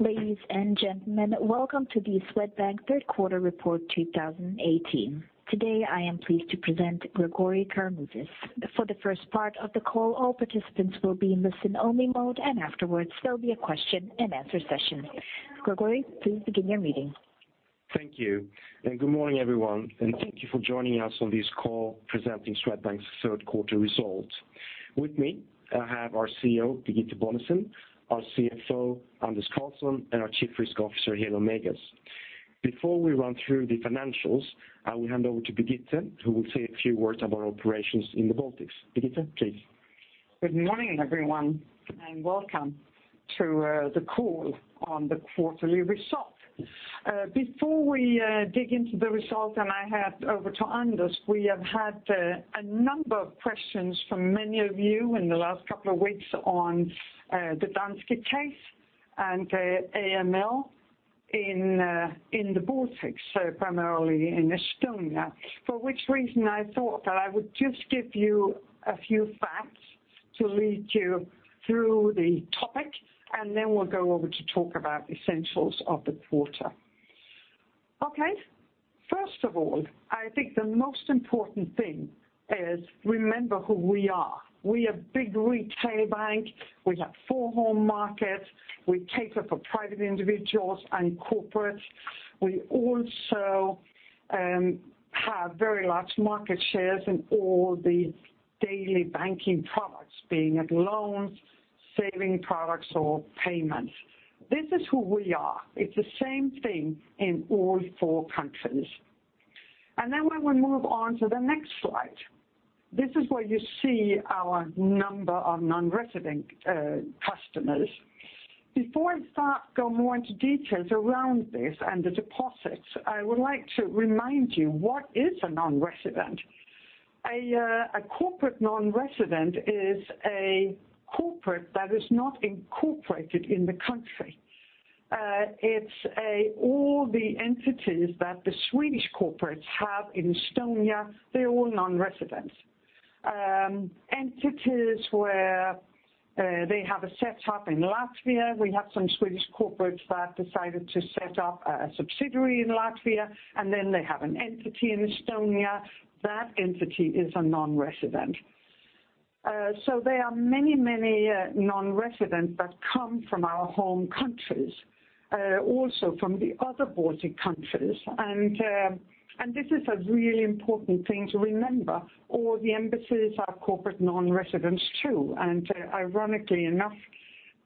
Ladies and gentlemen, welcome to the Swedbank Q3 Report 2018. Today, I am pleased to present Gregori Karamouzis. For the first part of the call, all participants will be in listen-only mode, and afterwards, there'll be a question-and-answer session. Gregori, please begin your meeting. Thank you, and good morning, everyone, and thank you for joining us on this call presenting Swedbank's Q3 results. With me, I have our CEO, Birgitte Bonnesen, our CFO, Anders Karlsson, and our Chief Risk Officer, Helo Meigas. Before we run through the financials, I will hand over to Birgitte, who will say a few words about operations in the Baltics. Birgitte, please. Good morning, everyone, and welcome to the call on the quarterly results. Before we dig into the results, and I hand over to Anders, we have had a number of questions from many of you in the last couple of weeks on the Danske case and AML in the Baltics, so primarily in Estonia. For which reason I thought that I would just give you a few facts to lead you through the topic, and then we'll go over to talk about the essentials of the quarter. Okay. First of all, I think the most important thing is remember who we are. We're a big retail bank. We have four home markets. We cater for private individuals and corporates. We also have very large market shares in all the daily banking products, being it loans, saving products, or payments. This is who we are. It's the same thing in all four countries. And then when we move on to the next slide, this is where you see our number of non-resident customers. Before I start, go more into details around this and the deposits, I would like to remind you, what is a non-resident? A corporate non-resident is a corporate that is not incorporated in the country. It's all the entities that the Swedish corporates have in Estonia, they're all non-residents. Entities where they have a setup in Latvia, we have some Swedish corporates that decided to set up a subsidiary in Latvia, and then they have an entity in Estonia. That entity is a non-resident. So there are many, many non-residents that come from our home countries, also from the other Baltic countries. And, and this is a really important thing to remember. All the embassies are corporate non-residents, too, and ironically enough,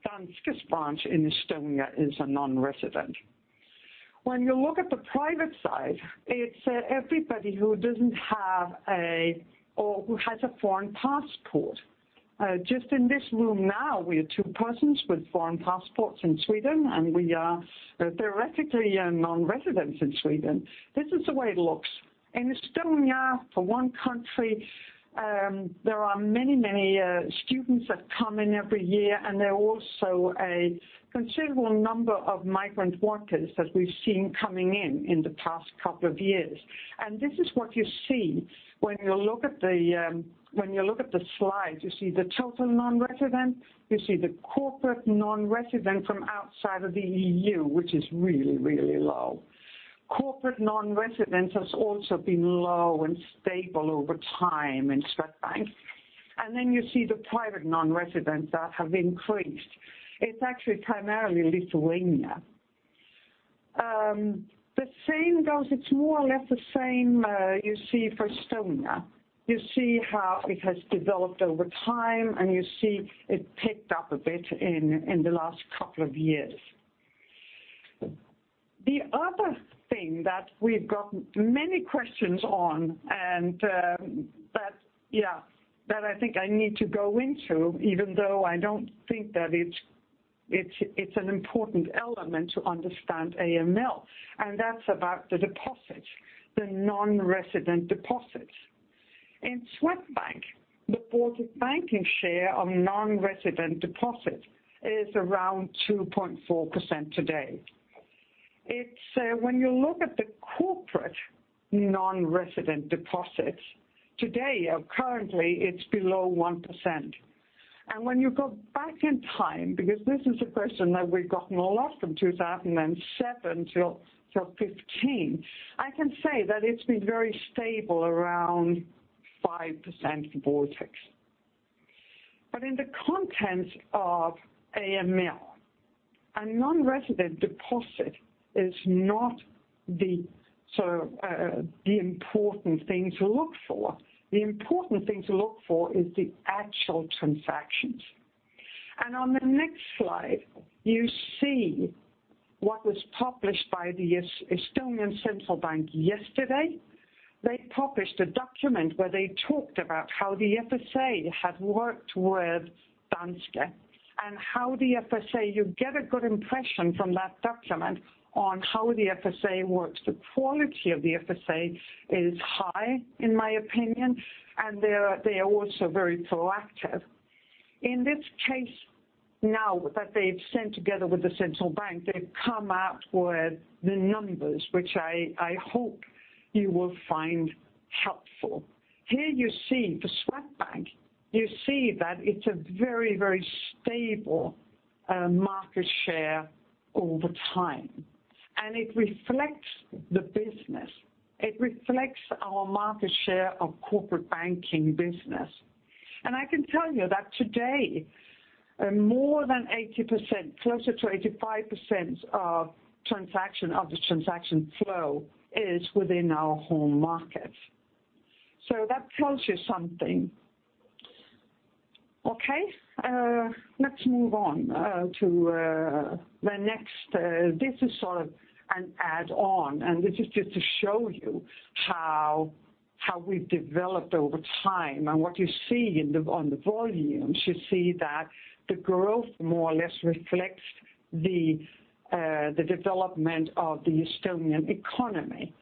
Danske's branch in Estonia is a non-resident. When you look at the private side, it's everybody who doesn't have a or who has a foreign passport. Just in this room now, we are two persons with foreign passports in Sweden, and we are theoretically non-residents in Sweden. This is the way it looks. In Estonia, for one country, there are many, many students that come in every year, and there are also a considerable number of migrant workers that we've seen coming in in the past couple of years. This is what you see when you look at the slide. You see the total non-resident. You see the corporate non-resident from outside of the EU, which is really, really low. Corporate non-residents has also been low and stable over time in Swedbank. Then you see the private non-residents that have increased. It's actually primarily Lithuania. The same goes. It's more or less the same, you see for Estonia. You see how it has developed over time, and you see it picked up a bit in the last couple of years. The other thing that we've gotten many questions on, but yeah, that I think I need to go into, even though I don't think that it's an important element to understand AML, and that's about the deposits, the non-resident deposits. In Swedbank, the Baltic Banking share of non-resident deposits is around 2.4% today. It's when you look at the corporate non-resident deposits, today or currently, it's below 1%. And when you go back in time, because this is a question that we've gotten a lot from 2007 till 2015, I can say that it's been very stable, around 5% Baltic. But in the context of AML, a non-resident deposit is not the, so the important thing to look for. The important thing to look for is the actual transactions. And on the next slide, you see what was published by the Estonian Central Bank yesterday. They published a document where they talked about how the FSA had worked with Danske and how the FSA... You get a good impression from that document on how the FSA works. The quality of the FSA is high, in my opinion, and they're, they are also very proactive. In this case now, that they've sent together with the central bank, they've come out with the numbers, which I hope you will find helpful. Here you see for Swedbank, you see that it's a very, very stable market share all the time, and it reflects the business. It reflects our market share of corporate banking business. And I can tell you that today, more than 80%, closer to 85% of transaction, of the transaction flow is within our home market. So that tells you something. Okay, let's move on to the next, this is sort of an add-on, and this is just to show you how we've developed over time. What you see in the, on the volumes, you see that the growth more or less reflects the development of the Estonian economy,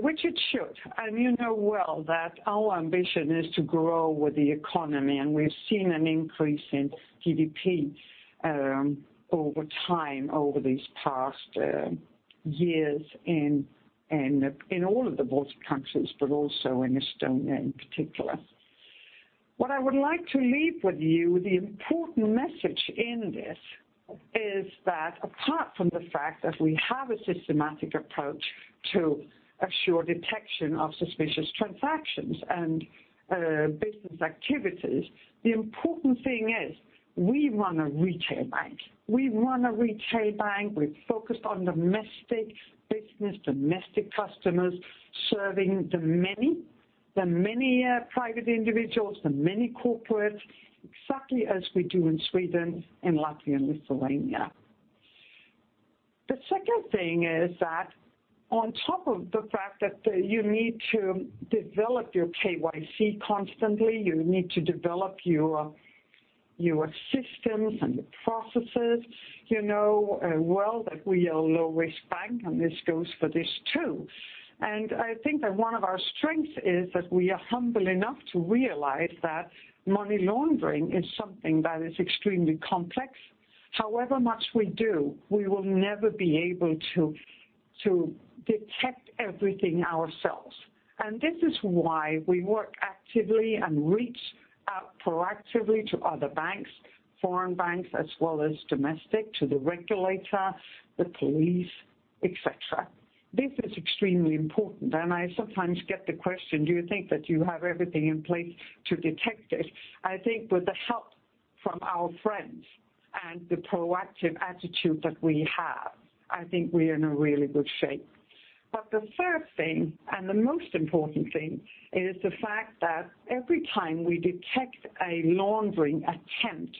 which it should. You know well that our ambition is to grow with the economy, and we've seen an increase in GDP over time, over these past years in all of the Baltic countries, but also in Estonia in particular. What I would like to leave with you, the important message in this is that apart from the fact that we have a systematic approach to ensure detection of suspicious transactions and business activities, the important thing is we run a retail bank. We run a retail bank. We're focused on domestic business, domestic customers, serving the many private individuals, the many corporates, exactly as we do in Sweden, in Latvia, and Lithuania. The second thing is that on top of the fact that you need to develop your KYC constantly, you need to develop your, your systems and processes. You know, well, that we are a low-risk bank, and this goes for this, too. And I think that one of our strengths is that we are humble enough to realize that money laundering is something that is extremely complex. However much we do, we will never be able to detect everything ourselves. And this is why we work actively and reach out proactively to other banks, foreign banks, as well as domestic, to the regulator, the police, et cetera. This is extremely important, and I sometimes get the question: Do you think that you have everything in place to detect it? I think with the help from our friends and the proactive attitude that we have, I think we are in a really good shape. But the third thing, and the most important thing, is the fact that every time we detect a laundering attempt,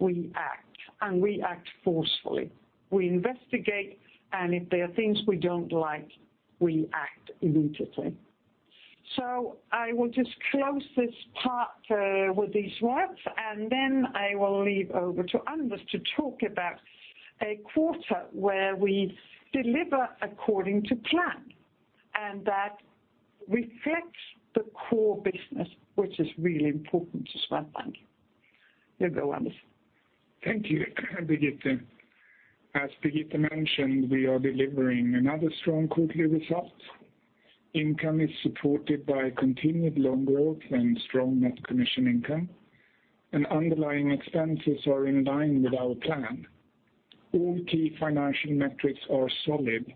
we act, and we act forcefully. We investigate, and if there are things we don't like, we act immediately. So I will just close this part with these words, and then I will leave over to Anders to talk about a quarter where we deliver according to plan, and that reflects the core business, which is really important to Swedbank. Here you go, Anders. Thank you, Birgitte. As Birgitte mentioned, we are delivering another strong quarterly result. Income is supported by continued loan growth and strong net commission income, and underlying expenses are in line with our plan. All key financial metrics are solid,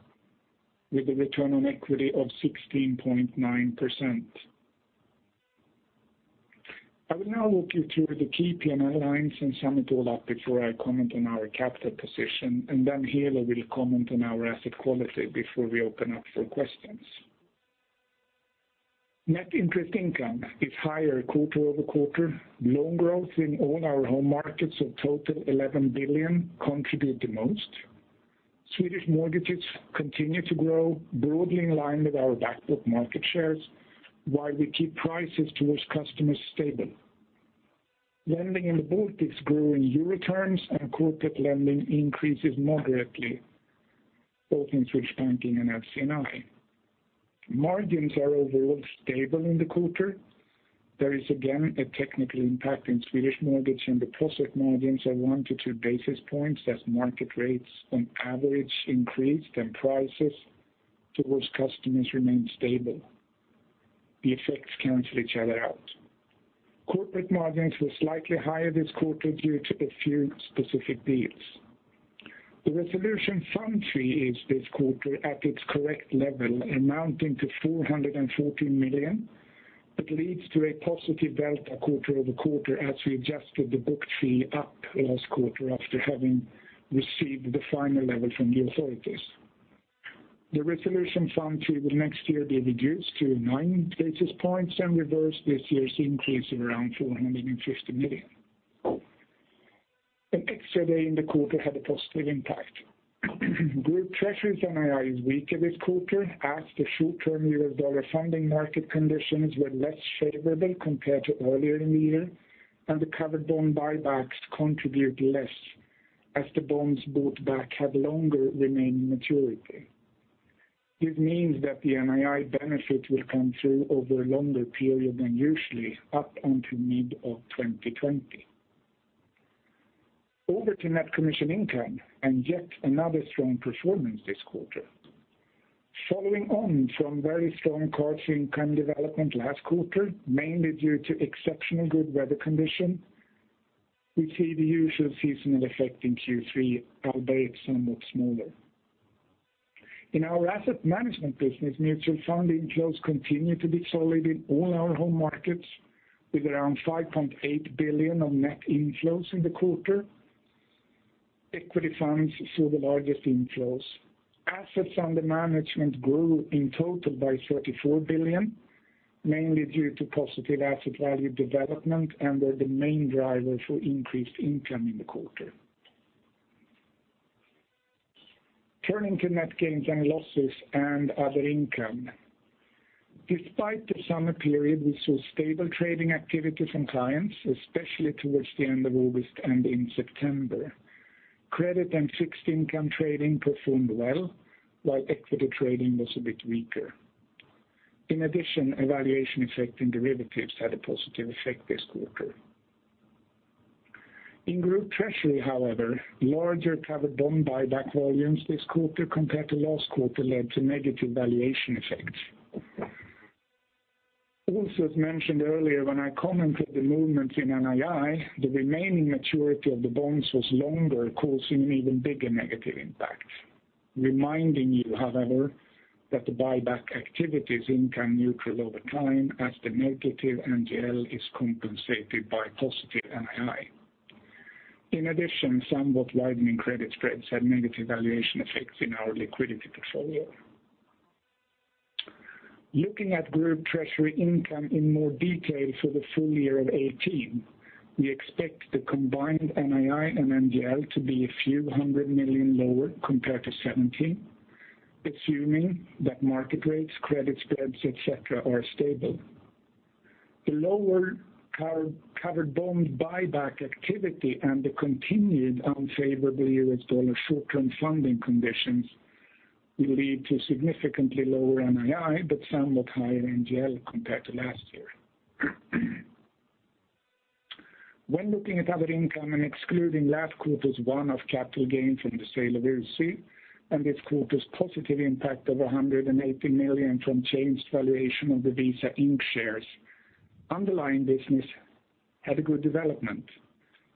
with a return on equity of 16.9%. I will now walk you through the key P&L lines and sum it all up before I comment on our capital position, and then Helo will comment on our asset quality before we open up for questions. Net interest income is higher quarter-over-quarter. Loan growth in all our home markets of total 11 billion contribute the most. Swedish mortgages continue to grow, broadly in line with our back book market shares, while we keep prices towards customers stable. Lending in the Baltics grew in EUR terms, and corporate lending increases moderately, both in Swedish Banking and FC&I. Margins are overall stable in the quarter. There is again, a technical impact in Swedish mortgage, and deposit margins are 1-2 basis points, as market rates on average increased, and prices towards customers remained stable. The effects cancel each other out. Corporate margins were slightly higher this quarter due to a few specific deals. The Resolution Fund fee is this quarter at its correct level, amounting to 414 million. It leads to a positive delta quarter-over-quarter, as we adjusted the book fee up last quarter after having received the final level from the authorities. The Resolution Fund fee will next year be reduced to 9 basis points and reverse this year's increase of around 450 million. An extra day in the quarter had a positive impact. Group treasury's NII is weaker this quarter, as the short-term euro dollar funding market conditions were less favorable compared to earlier in the year, and the covered bond buybacks contribute less, as the bonds bought back have longer remaining maturity. This means that the NII benefit will come through over a longer period than usually up until mid of 2020.... Over to net commission income and yet another strong performance this quarter. Following on from very strong cards income development last quarter, mainly due to exceptional good weather condition, we see the usual seasonal effect in Q3, albeit somewhat smaller. In our asset management business, mutual fund inflows continue to be solid in all our home markets, with around 5.8 billion of net inflows in the quarter. Equity funds saw the largest inflows. Assets under management grew in total by 34 billion, mainly due to positive asset value development and were the main driver for increased income in the quarter. Turning to net gains and losses and other income. Despite the summer period, we saw stable trading activity from clients, especially towards the end of August and in September. Credit and fixed income trading performed well, while equity trading was a bit weaker. In addition, a valuation effect in derivatives had a positive effect this quarter. In Group Treasury, however, larger covered bond buyback volumes this quarter compared to last quarter led to negative valuation effects. Also, as mentioned earlier, when I commented the movement in NII, the remaining maturity of the bonds was longer, causing an even bigger negative impact. Reminding you, however, that the buyback activity is income neutral over time as the negative NGL is compensated by positive NII. In addition, somewhat widening credit spreads had negative valuation effects in our liquidity portfolio. Looking at Group Treasury income in more detail for the full year of 2018, we expect the combined NII and NGL to be SEK a few hundred million lower compared to 2017, assuming that market rates, credit spreads, et cetera, are stable. The lower covered bond buyback activity and the continued unfavorable US dollar short-term funding conditions will lead to significantly lower NII, but somewhat higher NGL compared to last year. When looking at other income and excluding last quarter's one-off capital gain from the sale of UC, and this quarter's positive impact of 180 million from changed valuation of the Visa Inc. shares, underlying business had a good development,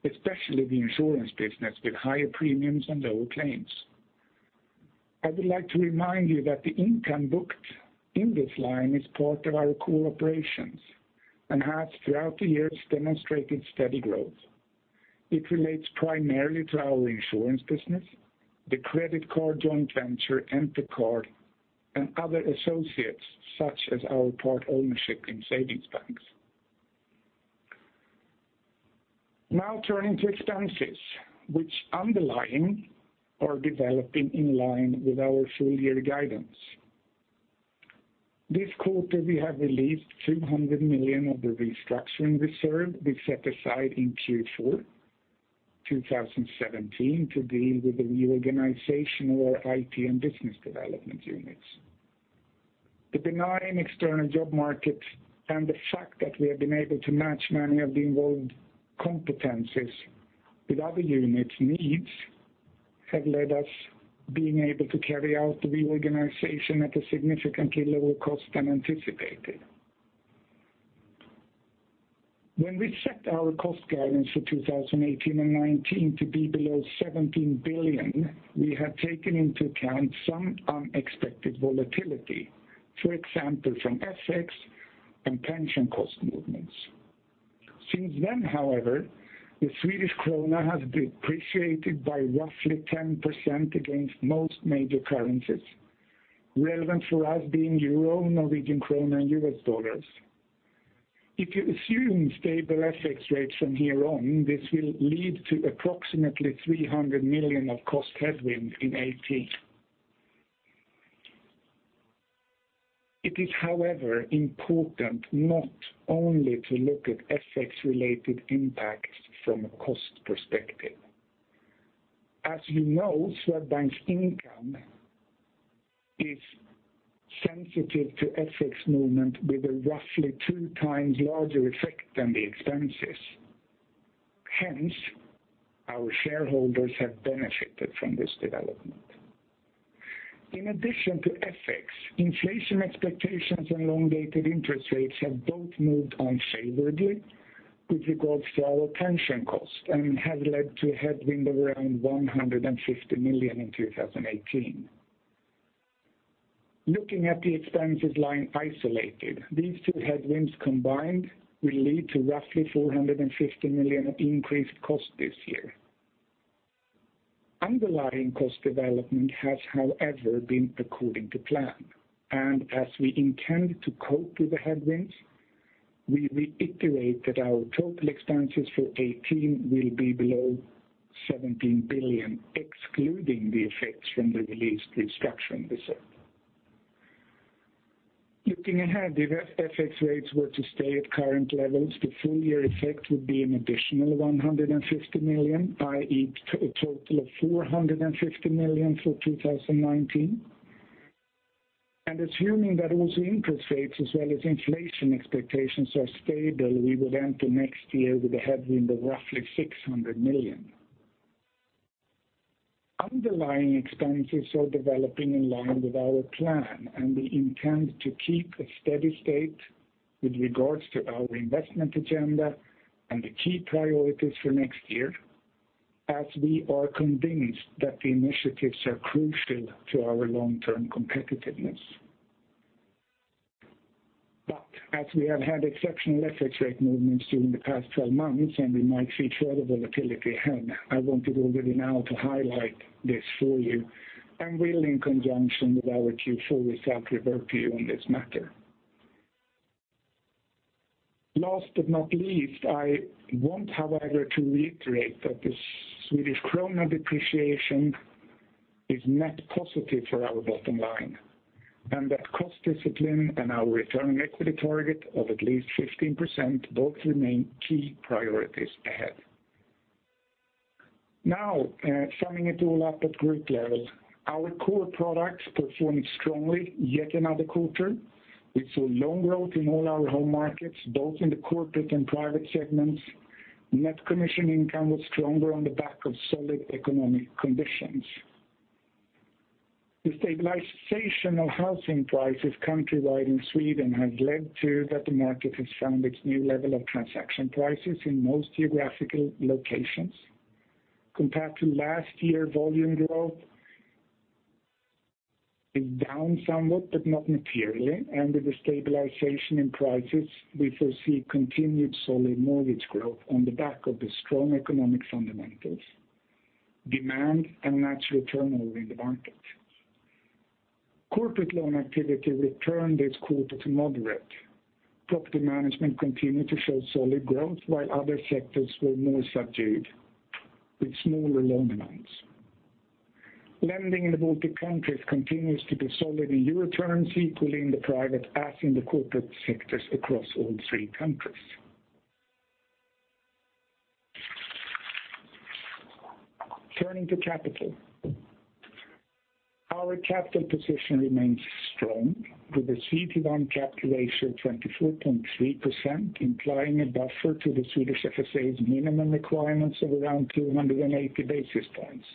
especially the insurance business, with higher premiums and lower claims. I would like to remind you that the income booked in this line is part of our core operations and has, throughout the years, demonstrated steady growth. It relates primarily to our insurance business, the credit card joint venture, Entercard, and other associates, such as our part ownership in savings banks. Now turning to expenses, which underlying are developing in line with our full year guidance. This quarter, we have released 200 million of the restructuring reserve we set aside in Q4 2017 to deal with the reorganization of our IT and business development units. The benign external job market and the fact that we have been able to match many of the involved competencies with other units' needs, have led us being able to carry out the reorganization at a significantly lower cost than anticipated. When we set our cost guidance for 2018 and 2019 to be below 17 billion, we had taken into account some unexpected volatility, for example, from FX and pension cost movements. Since then, however, the Swedish krona has depreciated by roughly 10% against most major currencies, relevant for us being euro, Norwegian krona, and US dollars. If you assume stable FX rates from here on, this will lead to approximately 300 million of cost headwind in 2018. It is, however, important not only to look at FX-related impacts from a cost perspective. As you know, Swedbank's income is sensitive to FX movement with a roughly 2 times larger effect than the expenses. Hence, our shareholders have benefited from this development. In addition to FX, inflation expectations and long-dated interest rates have both moved unfavorably with regards to our pension cost and has led to a headwind of around 150 million in 2018. Looking at the expenses line isolated, these two headwinds combined will lead to roughly 450 million of increased cost this year. Underlying cost development has, however, been according to plan, and as we intend to cope with the headwinds, we reiterate that our total expenses for 2018 will be below 17 billion, excluding the effects from the released restructuring reserve. Looking ahead, if FX rates were to stay at current levels, the full year effect would be an additional 150 million, i.e., a total of 450 million for 2019. Assuming that also interest rates as well as inflation expectations are stable, we will enter next year with a headwind of roughly 600 million. Underlying expenses are developing in line with our plan, and we intend to keep a steady state with regards to our investment agenda and the key priorities for next year, as we are convinced that the initiatives are crucial to our long-term competitiveness. But as we have had exceptional FX rate movements during the past 12 months, and we might see further volatility ahead, I wanted already now to highlight this for you, and will in conjunction with our Q4 result give our view on this matter. Last but not least, I want, however, to reiterate that the Swedish krona depreciation is net positive for our bottom line, and that cost discipline and our return on equity target of at least 15% both remain key priorities ahead. Now, summing it all up at group level, our core products performed strongly yet another quarter. We saw loan growth in all our home markets, both in the corporate and private segments. Net commission income was stronger on the back of solid economic conditions. The stabilization of housing prices countrywide in Sweden has led to that the market has found its new level of transaction prices in most geographical locations. Compared to last year, volume growth is down somewhat, but not materially, and with the stabilization in prices, we foresee continued solid mortgage growth on the back of the strong economic fundamentals, demand, and natural turnover in the market. Corporate loan activity returned this quarter to moderate. Property management continued to show solid growth, while other sectors were more subdued, with smaller loan amounts. Lending in the Baltic countries continues to be solid in euro currency, pulling the private as in the corporate sectors across all three countries. Turning to capital. Our capital position remains strong, with the CET1 capital ratio at 24.3%, implying a buffer to the Swedish FSA's minimum requirements of around 280 basis points.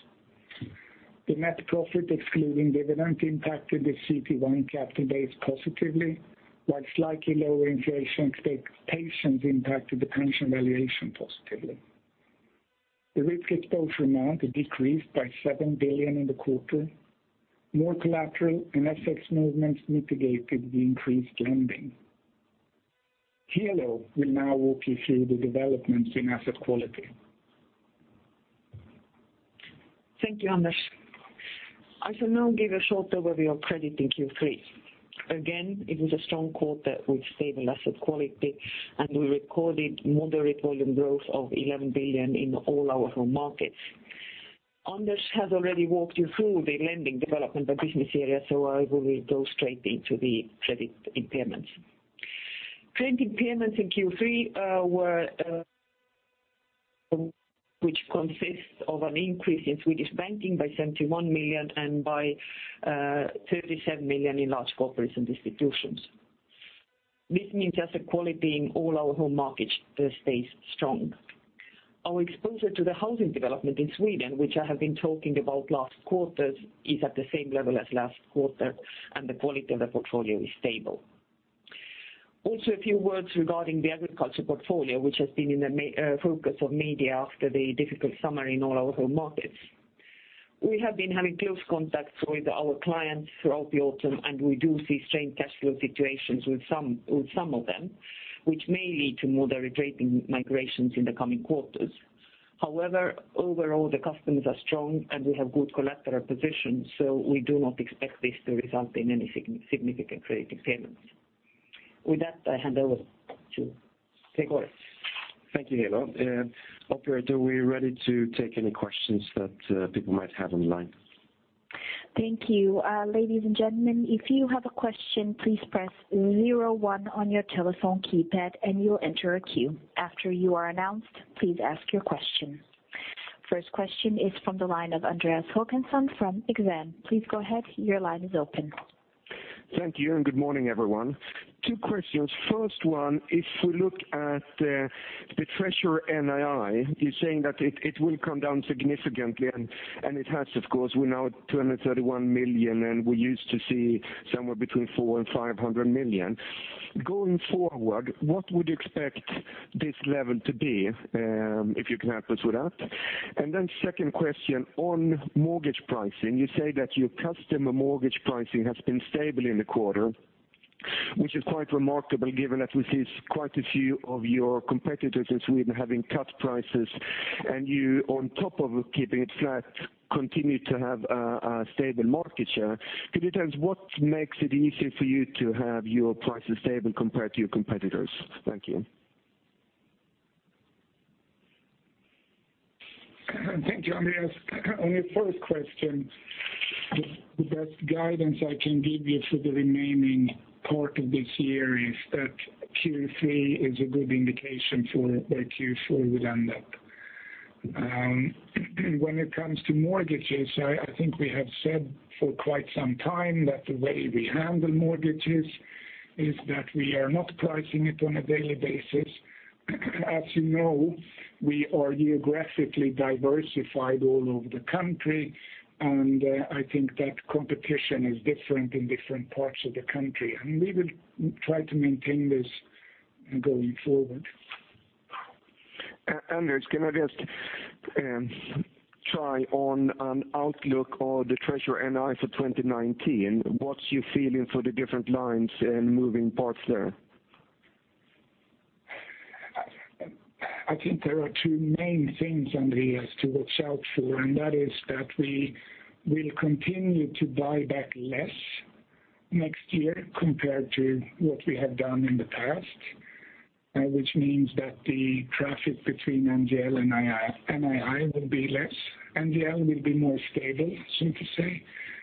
The net profit, excluding dividend, impacted the CET1 capital base positively, while slightly lower inflation expectations impacted the pension valuation positively. The risk exposure amount decreased by 7 billion in the quarter. More collateral and FX movements mitigated the increased lending. Helo will now walk you through the developments in asset quality. Thank you, Anders. I shall now give a short overview of credit in Q3. Again, it was a strong quarter with stable asset quality, and we recorded moderate volume growth of 11 billion in all our home markets. Anders has already walked you through the lending development by business area, so I will go straight into the credit impairments. Credit impairments in Q3 were, which consists of an increase in Swedish banking by 71 million and by 37 million in large corporates and institutions. This means asset quality in all our home markets stays strong. Our exposure to the housing development in Sweden, which I have been talking about last quarters, is at the same level as last quarter, and the quality of the portfolio is stable. Also, a few words regarding the agriculture portfolio, which has been in the focus of media after the difficult summer in all our home markets. We have been having close contacts with our clients throughout the autumn, and we do see strained cash flow situations with some of them, which may lead to moderate rating migrations in the coming quarters. However, overall, the customers are strong, and we have good collateral positions, so we do not expect this to result in any significant credit impairments. With that, I hand over to Gregori. Thank you, Helo. Operator, we're ready to take any questions that people might have on the line. Thank you. Ladies and gentlemen, if you have a question, please press zero one on your telephone keypad and you'll enter a queue. After you are announced, please ask your question. First question is from the line of Andreas Håkansson from Exane BNP Paribas. Please go ahead, your line is open. Thank you, and good morning, everyone. Two questions. First one, if we look at the Treasury NII, you're saying that it will come down significantly, and it has, of course. We're now at 231 million, and we used to see somewhere between 400 million and 500 million. Going forward, what would you expect this level to be, if you can help us with that? And then second question, on mortgage pricing, you say that your customer mortgage pricing has been stable in the quarter, which is quite remarkable, given that we see quite a few of your competitors in Sweden having cut prices, and you, on top of keeping it flat, continue to have a stable market share. Could you tell us what makes it easier for you to have your prices stable compared to your competitors? Thank you. Thank you, Andreas. On your first question, the best guidance I can give you for the remaining part of this year is that Q3 is a good indication for where Q4 will end up. When it comes to mortgages, I think we have said for quite some time that the way we handle mortgages is that we are not pricing it on a daily basis. As you know, we are geographically diversified all over the country, and I think that competition is different in different parts of the country, and we will try to maintain this going forward. Anders, can I just try on an outlook on the treasury NI for 2019? What's your feeling for the different lines and moving parts there? I think there are two main things, Andreas, to watch out for, and that is that we will continue to buy back less next year compared to what we have done in the past, which means that the traffic between NGL and NII, NII will be less, and NGL will be more stable, so to say.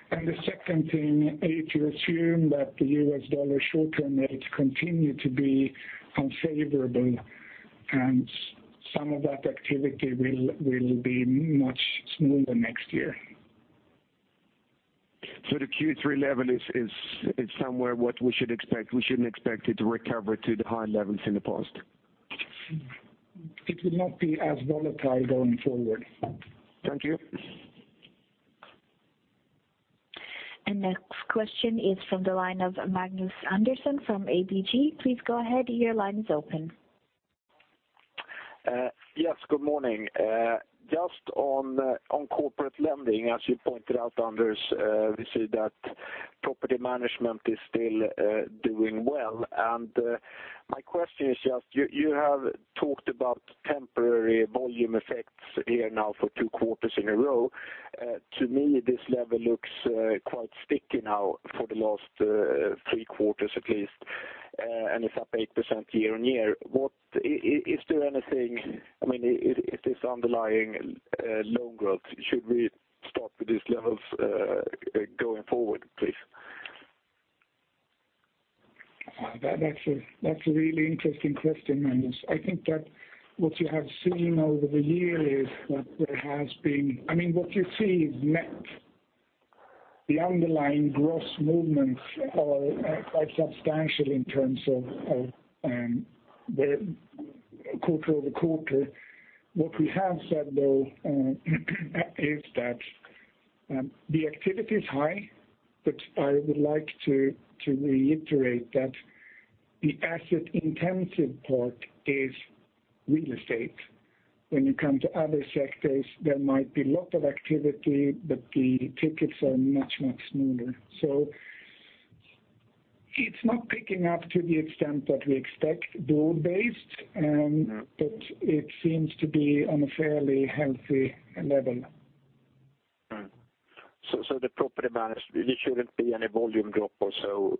And the second thing, if you assume that the US dollar short-term rates continue to be unfavorable, and some of that activity will be much smoother next year. So the Q3 level is somewhere what we should expect. We shouldn't expect it to recover to the high levels in the past? It will not be as volatile going forward. Thank you. And next question is from the line of Magnus Andersson from ABG. Please go ahead, your line is open. Yes, good morning. Just on corporate lending, as you pointed out, Anders, we see that property management is still doing well. And my question is just, you have talked about temporary volume effects here now for 2 quarters in a row. To me, this level looks quite sticky now for the last 3 quarters, at least, and it's up 8% year-on-year. What is there anything, I mean, is this underlying loan growth, should we start with these levels going forward, please? That's a really interesting question, Magnus. I think that what you have seen over the year is that there has been... I mean, what you see is net. The underlying gross movements are quite substantial in terms of the quarter-over-quarter. What we have said, though, is that the activity is high, but I would like to reiterate that the asset-intensive part is real estate. When you come to other sectors, there might be a lot of activity, but the tickets are much, much smoother. So it's not picking up to the extent that we expect broad-based, but it seems to be on a fairly healthy level. Mm-hmm. So, the property manage, there shouldn't be any volume drop or so,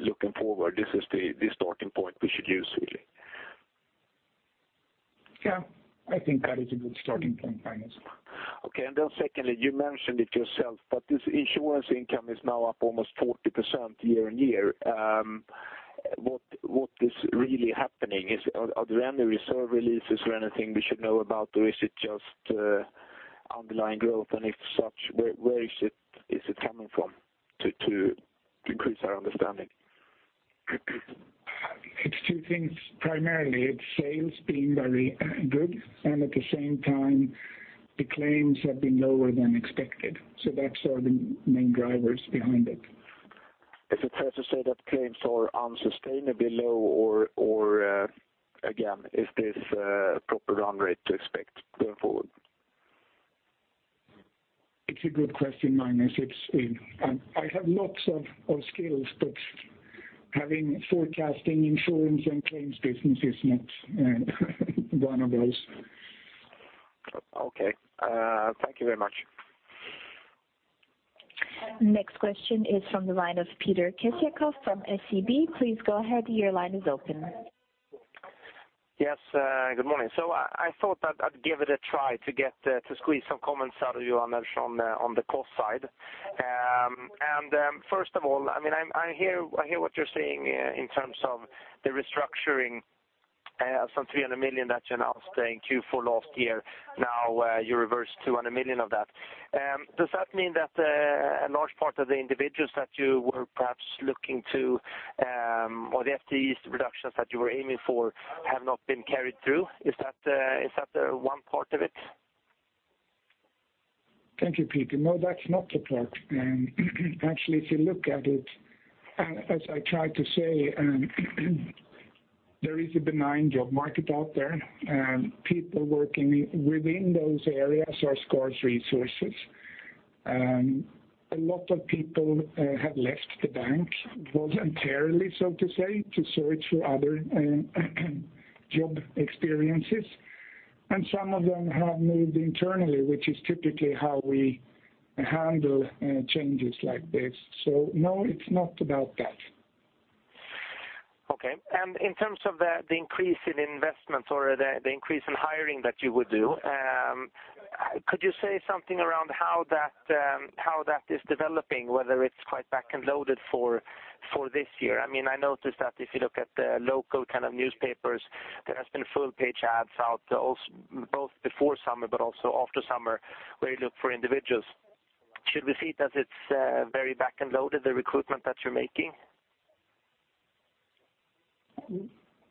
looking forward, this is the starting point we should use, really? Yeah, I think that is a good starting point, Magnus. Okay, and then secondly, you mentioned it yourself, but this insurance income is now up almost 40% year-on-year. What is really happening? Are there any reserve releases or anything we should know about, or is it just underlying growth? And if such, where is it coming from, to increase our understanding? It's two things. Primarily, it's sales being very good, and at the same time, the claims have been lower than expected. Those are the main drivers behind it. Is it fair to say that claims are unsustainably low or again, is this proper run rate to expect going forward? It's a good question, Magnus. It's, I have lots of skills, but having forecasting insurance and claims business is not one of those. Okay, thank you very much. Next question is from the line of Peter Kessiakoff from SEB. Please go ahead, your line is open. Yes, good morning. So I thought I'd give it a try to get to squeeze some comments out of you, Anders, on the cost side. And first of all, I mean, I hear what you're saying in terms of the restructuring, 300 million that you announced in Q4 last year. Now, you reversed 200 million of that. Does that mean that a large part of the individuals that you were perhaps looking to or the FTEs reductions that you were aiming for have not been carried through? Is that one part of it? Thank you, Peter. No, that's not the part. Actually, if you look at it, as I tried to say, there is a benign job market out there, and people working within those areas are scarce resources. A lot of people have left the bank voluntarily, so to say, to search for other job experiences. Some of them have moved internally, which is typically how we handle changes like this. No, it's not about that. Okay. And in terms of the increase in investment or the increase in hiring that you would do. Could you say something around how that is developing, whether it's quite back-end loaded for this year? I mean, I noticed that if you look at the local kind of newspapers, there has been full-page ads out also both before summer but also after summer, where you look for individuals. Should we see it as it's very back-end loaded, the recruitment that you're making?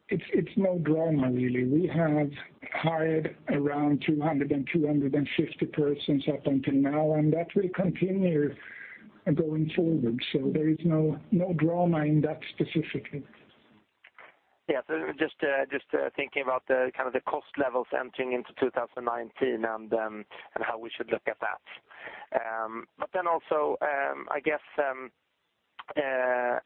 It's no drama, really. We have hired around 200-250 persons up until now, and that will continue going forward, so there is no drama in that specifically. Yeah, so just, just, thinking about the kind of the cost levels entering into 2019, and, and how we should look at that. But then also, I guess,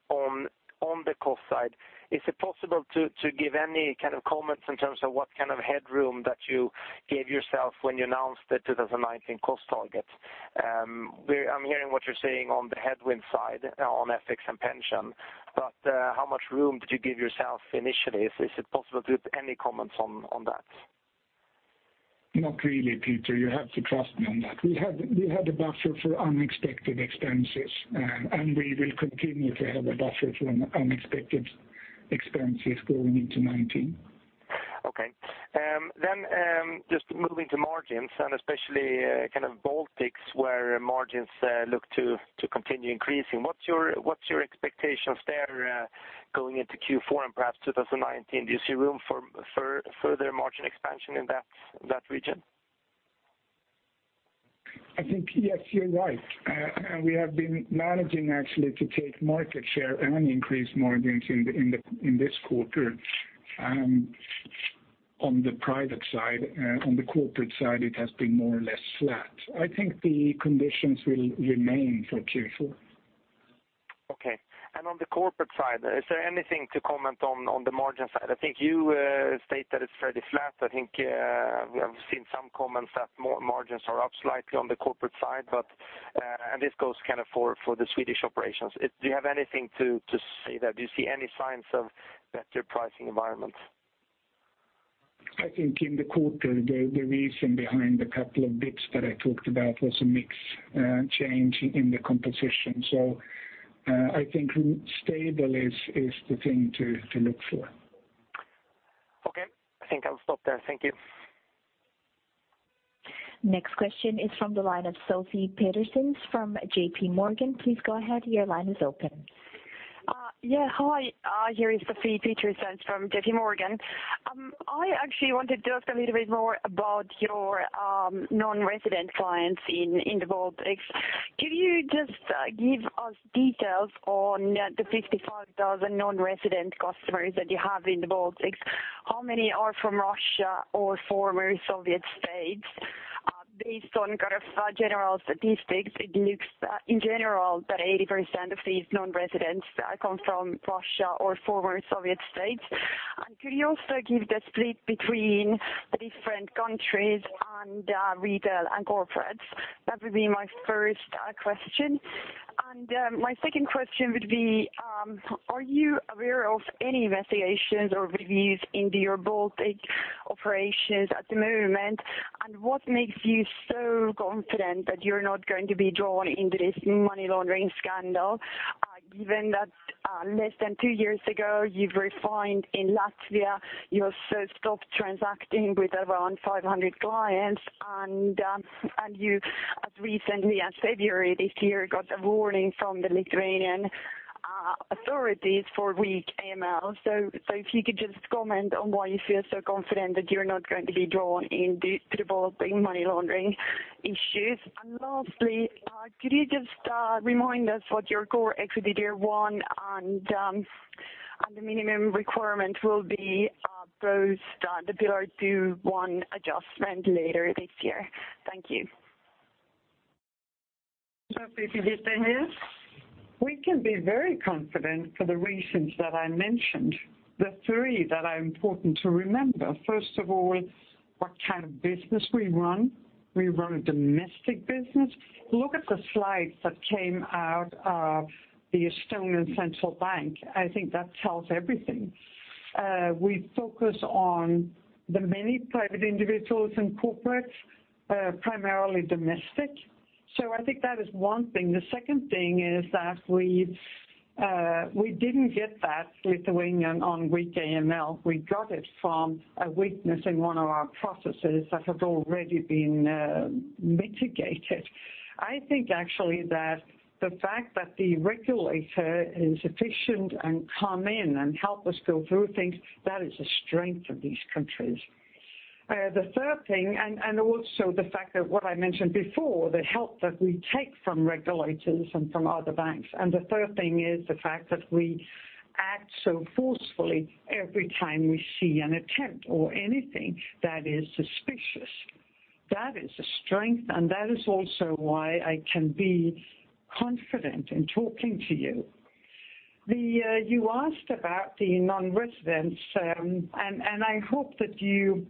on, on the cost side, is it possible to, to give any kind of comments in terms of what kind of headroom that you gave yourself when you announced the 2019 cost target? I'm hearing what you're saying on the headwind side, on FX and pension, but, how much room did you give yourself initially? Is, is it possible to give any comments on, on that? Not really, Peter, you have to trust me on that. We had, we had a buffer for unexpected expenses, and we will continue to have a buffer for unexpected expenses going into 2019. Okay. Then, just moving to margins, and especially, kind of Baltics, where margins look to continue increasing. What's your expectations there, going into Q4 and perhaps 2019? Do you see room for further margin expansion in that region? I think, yes, you're right. We have been managing actually to take market share and increase margins in this quarter, on the private side. On the corporate side, it has been more or less flat. I think the conditions will remain for Q4. Okay. And on the corporate side, is there anything to comment on, on the margin side? I think you state that it's fairly flat. I think we have seen some comments that margins are up slightly on the corporate side, but -- and this goes kind of for the Swedish operations. Do you have anything to say there? Do you see any signs of better pricing environment? I think in the quarter, the reason behind the couple of dips that I talked about was a mix change in the composition. So, I think stable is the thing to look for. Okay. I think I'll stop there. Thank you. Next question is from the line of Sofie Peterzens from J.P. Morgan. Please go ahead, your line is open. Hi, here is Sofie Peterzens from JP Morgan. I actually wanted to ask a little bit more about your non-resident clients in the Baltics. Can you just give us details on the 55,000 non-resident customers that you have in the Baltics? How many are from Russia or former Soviet states? Based on kind of general statistics, it looks in general that 80% of these non-residents come from Russia or former Soviet states. And could you also give the split between the different countries and retail and corporates? That would be my first question. And my second question would be, are you aware of any investigations or reviews into your Baltic operations at the moment? What makes you so confident that you're not going to be drawn into this money laundering scandal, given that, less than two years ago, you were fined in Latvia, you're so stopped transacting with around 500 clients. And, and you, as recently as February this year, got a warning from the Lithuanian authorities for weak AML. So if you could just comment on why you feel so confident that you're not going to be drawn into the Baltic money laundering issues. And lastly, could you just remind us what your core equity tier one and, and the minimum requirement will be, post the Pillar Two one adjustment later this year? Thank you. Sofie, Birgitte here. We can be very confident for the reasons that I mentioned, the three that are important to remember. First of all, what kind of business we run. We run a domestic business. Look at the slides that came out of the Estonian Central Bank. I think that tells everything. We focus on the many private individuals and corporates, primarily domestic. So I think that is one thing. The second thing is that we, we didn't get that Lithuanian on weak AML. We got it from a weakness in one of our processes that had already been, mitigated. I think, actually, that the fact that the regulator is efficient and come in and help us go through things, that is a strength of these countries. The third thing, and also the fact that what I mentioned before, the help that we take from regulators and from other banks. And the third thing is the fact that we act so forcefully every time we see an attempt or anything that is suspicious. That is a strength, and that is also why I can be confident in talking to you. You asked about the non-residents, and I hope that you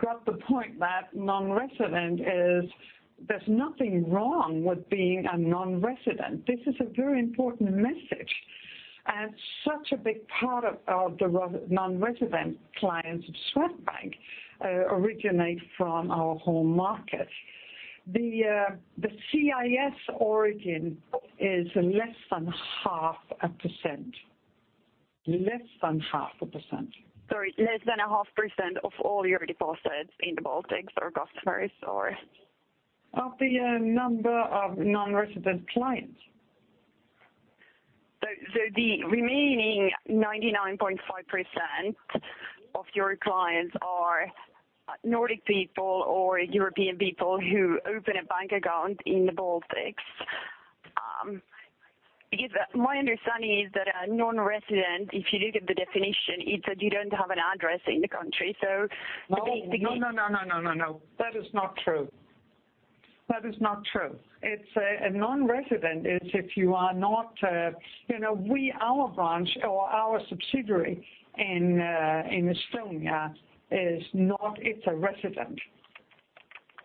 got the point that non-resident is, there's nothing wrong with being a non-resident. This is a very important message. And such a big part of the non-resident clients of Swedbank originate from our home market. The CIS origin is less than 0.5%, less than 0.5%. Sorry, less than 0.5% of all your deposits in the Baltics or customers or? Of the number of non-resident clients. So, so the remaining 99.5% of your clients are Nordic people or European people who open a bank account in the Baltics. Because my understanding is that a non-resident, if you look at the definition, it's that you don't have an address in the country, so- No, no, no, no, no, no, no, no. That is not true. That is not true. It's a non-resident is if you are not. You know, we, our branch or our subsidiary in Estonia is not. It's a resident.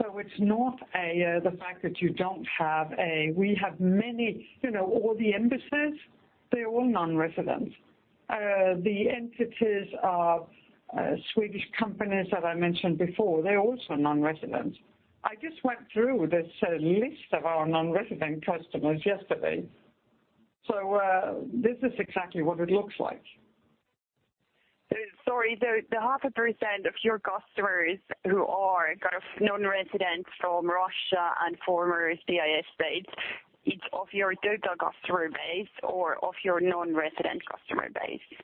So it's not a, the fact that you don't have a. We have many, you know, all the embassies, they're all non-residents. The entities of Swedish companies that I mentioned before, they're also non-residents. I just went through this list of our non-resident customers yesterday. So, this is exactly what it looks like. Sorry, the 0.5% of your customers who are kind of non-residents from Russia and former CIS states, it's of your total customer base or of your non-resident customer base?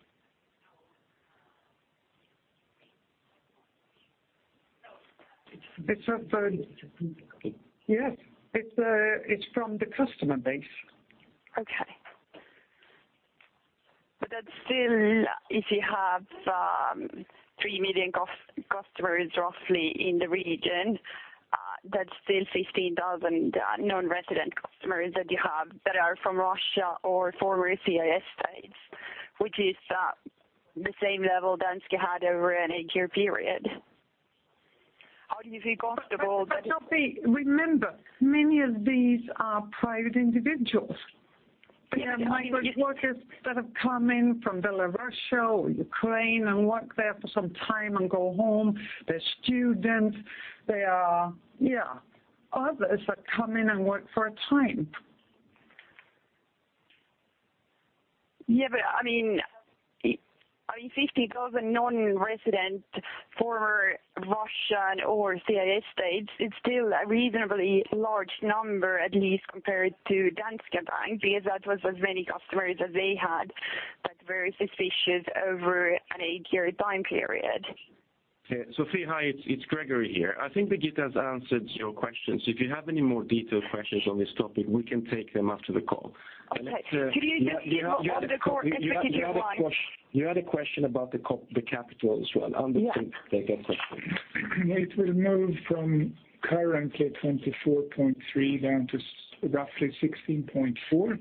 It's of... Yes, it's... it's from the customer base. Okay. But that's still, if you have, 3 million customers roughly in the region, that's still 15,000 non-resident customers that you have, that are from Russia or former CIS states, which is, the same level Danske had over an 8-year period. How do you feel comfortable that- But, but, but Sophie, remember, many of these are private individuals. Yeah, I- They are migrant workers that have come in from Belarus or Ukraine and work there for some time and go home. They're students. They are, yeah, others that come in and work for a time. Yeah, but I mean, 50,000 non-resident, former Russian or CIS states, it's still a reasonably large number, at least compared to Danske Bank, because that was as many customers as they had, that were suspicious over an 8-year time period. Okay, Sophie, hi, it's Gregori here. I think Birgitte has answered your questions. If you have any more detailed questions on this topic, we can take them after the call. Okay. Could you just give us the core executive line? You had a question about the capital as well. Yeah. Anders, can you take that question? It will move from currently 24.3 down to roughly 16.4,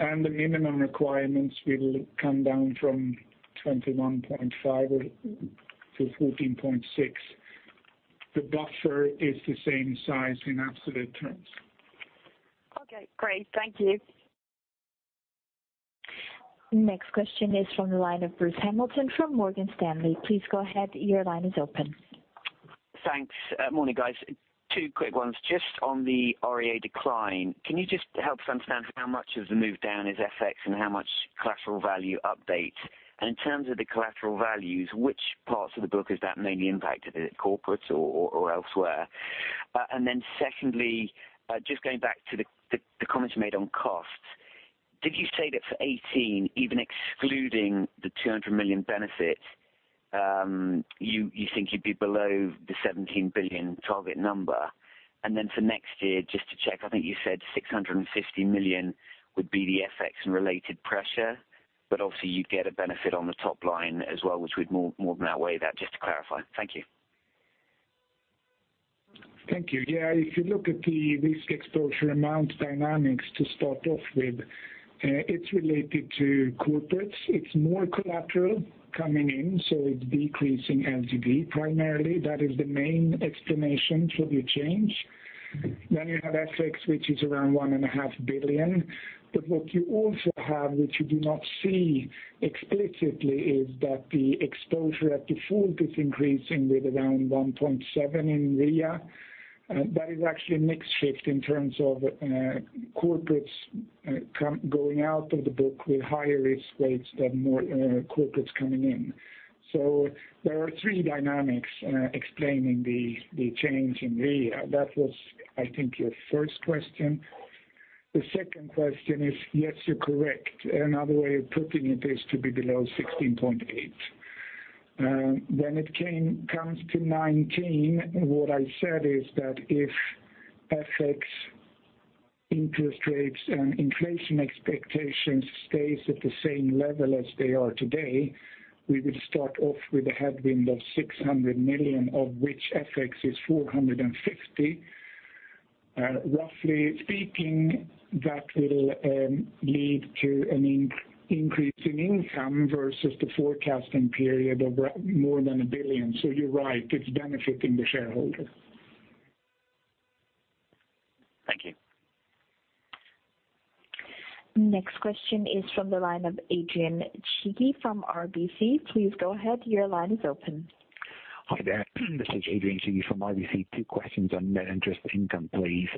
and the minimum requirements will come down from 21.5 to 14.6. The buffer is the same size in absolute terms. Okay, great. Thank you. Next question is from the line of Bruce Hamilton from Morgan Stanley. Please go ahead. Your line is open. Thanks. Morning, guys. 2 quick ones. Just on the REA decline, can you just help us understand how much of the move down is FX and how much collateral value update? And in terms of the collateral values, which parts of the book has that mainly impacted? Is it corporates or elsewhere? And then secondly, just going back to the comments you made on costs, did you say that for 2018, even excluding the 200 million benefit, you think you'd be below the 17 billion target number? And then for next year, just to check, I think you said 650 million would be the FX and related pressure, but obviously you'd get a benefit on the top line as well, which would more than outweigh that, just to clarify. Thank you. Thank you. Yeah, if you look at the risk exposure amount dynamics to start off with, it's related to corporates. It's more collateral coming in, so it's decreasing LTV primarily. That is the main explanation for the change. Then you have FX, which is around 1.5 billion, but what you also have, which you do not see explicitly, is that the exposure at default is increasing with around 1.7 billion in REA. That is actually a mix shift in terms of corporates going out of the book with higher risk weights than more corporates coming in. So there are three dynamics explaining the change in REA. That was, I think, your first question. The second question is, yes, you're correct. Another way of putting it is to be below 16.8. When it comes to nineteen, what I said is that if FX interest rates and inflation expectations stays at the same level as they are today, we will start off with a headwind of 600 million, of which FX is 450 million. Roughly speaking, that will lead to an increase in income versus the forecasting period of more than 1 billion. So you're right, it's benefiting the shareholder. Next question is from the line of Adrian Sherifi from RBC. Please go ahead. Your line is open. Hi there. This is Adrian Sherifi from RBC. Two questions on net interest income, please.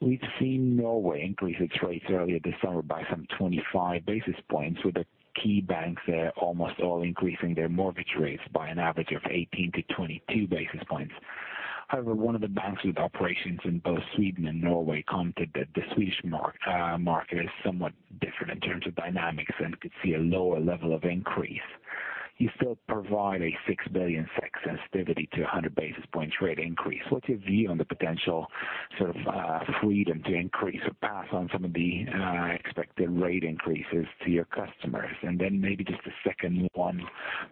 We've seen Norway increase its rates earlier this summer by some 25 basis points, with the key banks almost all increasing their mortgage rates by an average of 18-22 basis points. However, one of the banks with operations in both Sweden and Norway commented that the Swedish market is somewhat different in terms of dynamics and could see a lower level of increase. You still provide a 6 billion SEK sensitivity to 100 basis points rate increase. What's your view on the potential, sort of, freedom to increase or pass on some of the expected rate increases to your customers? And then maybe just a second one,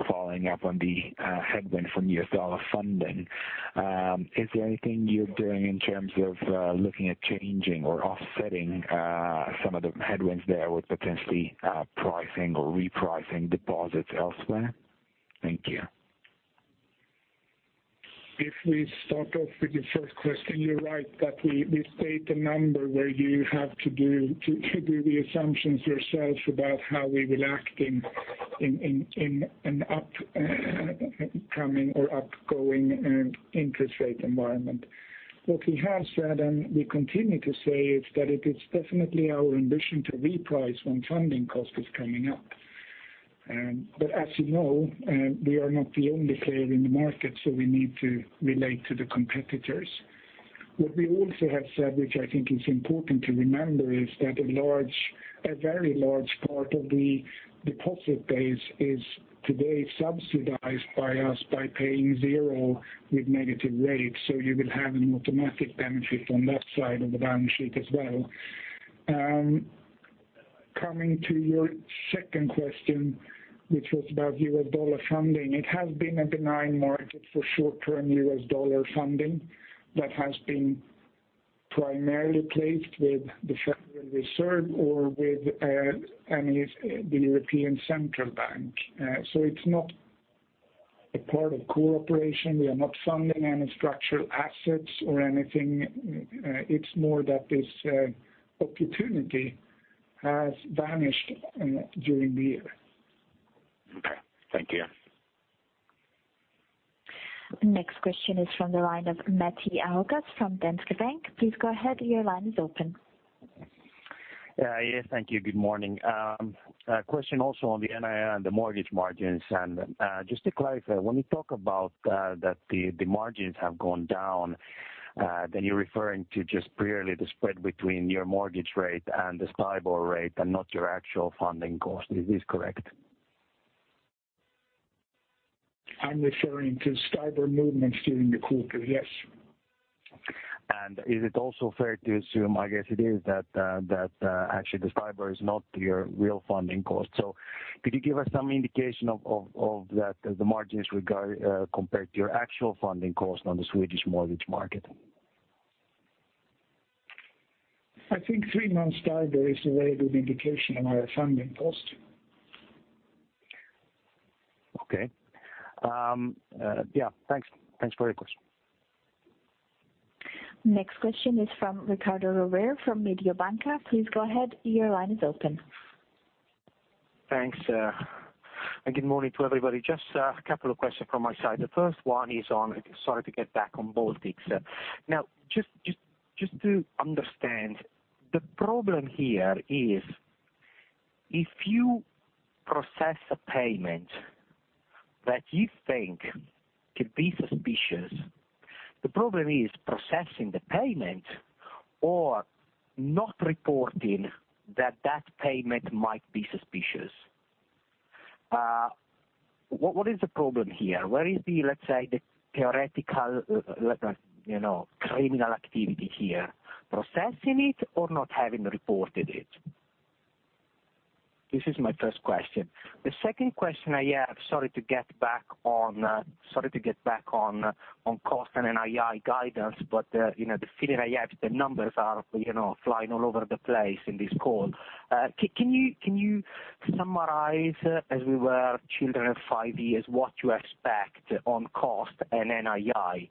following up on the headwind from U.S. dollar funding. Is there anything you're doing in terms of looking at changing or offsetting some of the headwinds there with potentially pricing or repricing deposits elsewhere? Thank you. If we start off with the first question, you're right that we state a number where you have to do the assumptions yourselves about how we will act in an upcoming or ongoing interest rate environment. What we have said, and we continue to say, is that it is definitely our ambition to reprice when funding cost is coming up. But as you know, we are not the only player in the market, so we need to relate to the competitors. What we also have said, which I think is important to remember, is that a very large part of the deposit base is today subsidized by us by paying zero or negative rates, so you will have an automatic benefit on that side of the balance sheet as well. Coming to your second question, which was about US dollar funding, it has been a benign market for short-term US dollar funding that has been primarily placed with the Federal Reserve or with the European Central Bank. So it's not a part of core operation. We are not funding any structural assets or anything. It's more that this opportunity has vanished during the year. Okay, thank you. Next question is from the line of Matti Ahokas from Danske Bank. Please go ahead. Your line is open. Yes, thank you. Good morning. A question also on the NII and the mortgage margins. And, just to clarify, when we talk about that the, the margins have gone down, then you're referring to just purely the spread between your mortgage rate and the STIBOR rate and not your actual funding cost. Is this correct? I'm referring to STIBOR movements during the quarter, yes. And is it also fair to assume, I guess it is, that actually, the STIBOR is not your real funding cost? So could you give us some indication of that, the margins regarding compared to your actual funding cost on the Swedish mortgage market? I think three-month STIBOR is a valid indication of our funding cost. Okay. Yeah, thanks. Thanks for your question. Next question is from Riccardo Rovere from Mediobanca. Please go ahead. Your line is open. Thanks, and good morning to everybody. Just, a couple of questions from my side. The first one is on... Sorry to get back on Baltics. Now, just to understand, the problem here is, if you process a payment that you think could be suspicious, the problem is processing the payment or not reporting that that payment might be suspicious? What is the problem here? Where is the, let's say, the theoretical, you know, criminal activity here, processing it or not having reported it? This is my first question. The second question I have, sorry to get back on, sorry to get back on, on cost and NII guidance, but, you know, the feeling I have, the numbers are, you know, flying all over the place in this call. Can you summarize, as we were children of five years, what you expect on cost and NII?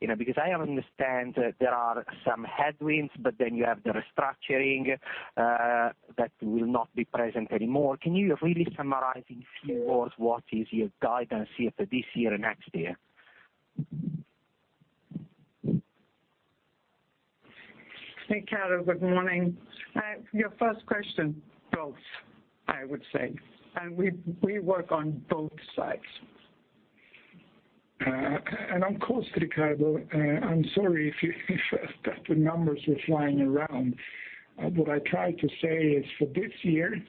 You know, because I understand there are some headwinds, but then you have the restructuring that will not be present anymore. Can you really summarize in a few words, what is your guidance here for this year and next year? Riccardo, good morning. Your first question, both, I would say, and we, we work on both sides. And on cost, Riccardo, I'm sorry if you, if that the numbers were flying around. What I tried to say is, for this year,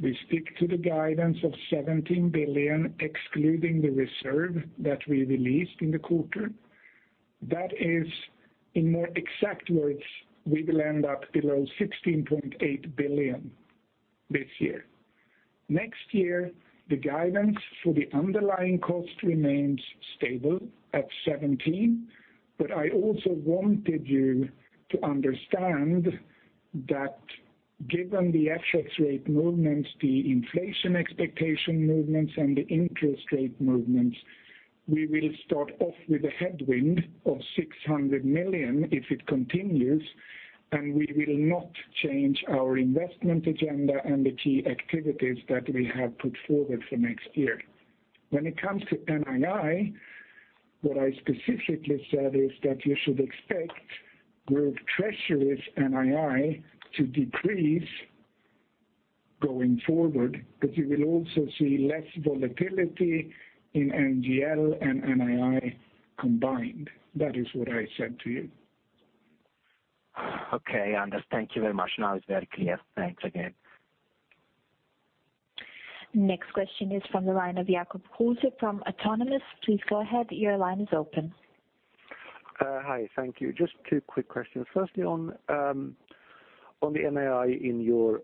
we stick to the guidance of 17 billion, excluding the reserve that we released in the quarter. That is, in more exact words, we will end up below 16.8 billion this year. Next year, the guidance for the underlying cost remains stable at 17 billion, but I also wanted you to understand that given the FX rate movements, the inflation expectation movements, and the interest rate movements, we will start off with a headwind of 600 million if it continues, and we will not change our investment agenda and the key activities that we have put forward for next year. When it comes to NII, what I specifically said is that you should expect group treasuries NII to decrease going forward, but you will also see less volatility in NGL and NII combined. That is what I said to you. Okay, I understand. Thank you very much. Now it's very clear. Thanks again. Next question is from the line of Jacob Kruse from Autonomous. Please go ahead. Your line is open. Hi, thank you. Just two quick questions. Firstly, on the NII in your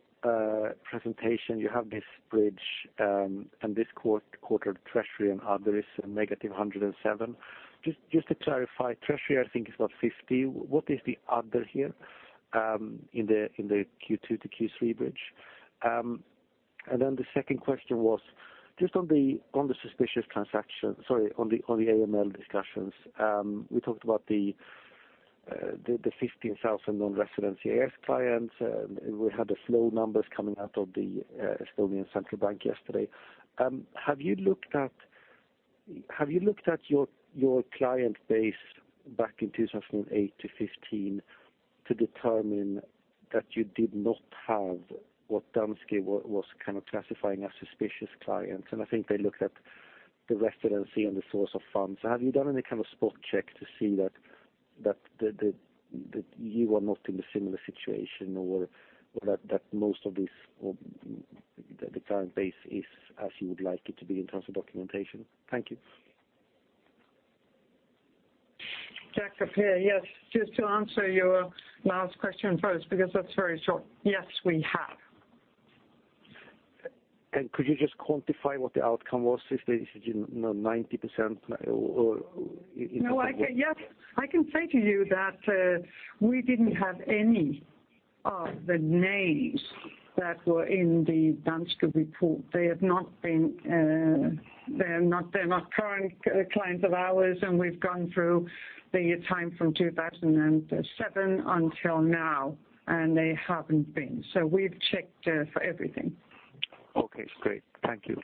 presentation, you have this bridge, and this quarter treasury, and other is -107. Just to clarify, treasury, I think, is about 50. What is the other here, in the Q2 to Q3 bridge? And then the second question was just on the suspicious transaction, sorry, on the AML discussions. We talked about the 15,000 non-resident CIS clients, and we had the flow numbers coming out of the Estonian Central Bank yesterday. Have you looked at your client base back in 2008 to 2015 to determine that you did not have what Danske was kind of classifying as suspicious clients? I think they looked at the residency and the source of funds. Have you done any kind of spot check to see that you are not in a similar situation or that most of the client base is as you would like it to be in terms of documentation? Thank you. Jacob, here, yes. Just to answer your last question first, because that's very short. Yes, we have. Could you just quantify what the outcome was, if it was 90% or- No, I can... Yes, I can say to you that we didn't have any of the names that were in the Danske report. They have not been, they're not, they're not current clients of ours, and we've gone through the time from 2007 until now, and they haven't been. So we've checked for everything. Okay, great. Thank you.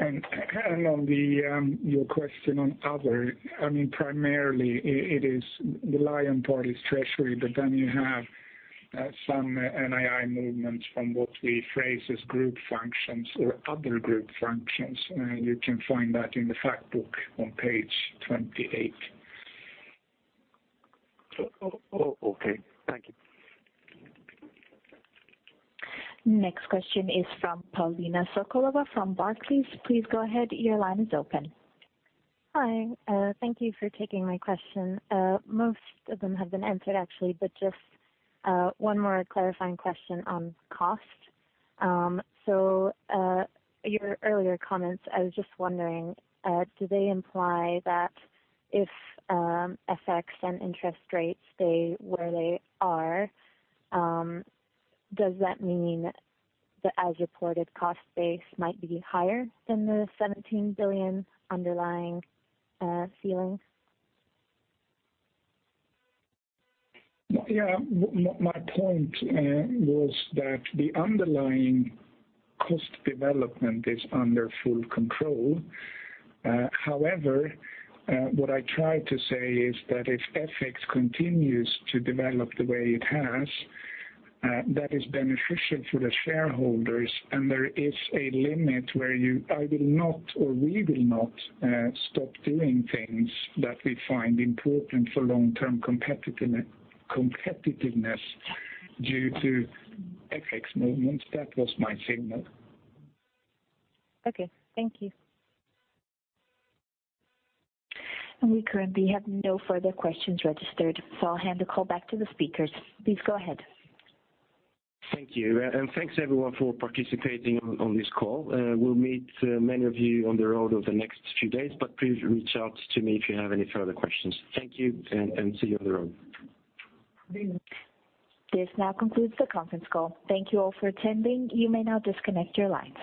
On your question on other, I mean, primarily, it is the lion part is treasury, but then you have some NII movements from what we phrase as group functions or other group functions. You can find that in the fact book on page 28. Okay, thank you. Next question is from Paulina Sokolova, from Barclays. Please go ahead. Your line is open. Hi, thank you for taking my question. Most of them have been answered, actually, but just one more clarifying question on cost. So, your earlier comments, I was just wondering, do they imply that if FX and interest rates stay where they are, does that mean the as reported cost base might be higher than the 17 billion underlying ceiling? Yeah. My point was that the underlying cost development is under full control. However, what I tried to say is that if FX continues to develop the way it has, that is beneficial for the shareholders, and there is a limit where I will not, or we will not, stop doing things that we find important for long-term competitiveness due to FX movements. That was my signal. Okay, thank you. We currently have no further questions registered, so I'll hand the call back to the speakers. Please go ahead. Thank you, and thanks, everyone, for participating on this call. We'll meet many of you on the road over the next few days, but please reach out to me if you have any further questions. Thank you, and see you on the road. This now concludes the conference call. Thank you all for attending. You may now disconnect your lines.